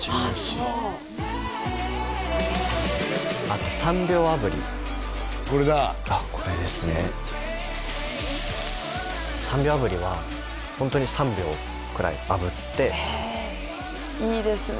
そうあと３秒炙りこれだこれですね３秒炙りはホントに３秒くらい炙っていいですね